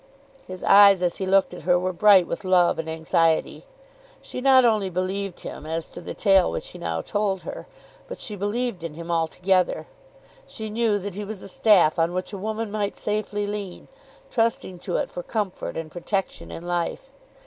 His eyes as he looked at her were bright with love and anxiety. She not only believed him as to the tale which he now told her; but she believed in him altogether. She knew that he was a staff on which a woman might safely lean, trusting to it for comfort and protection in life.